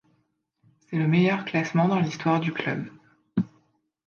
C'est le meilleur classement dans l'histoire du club.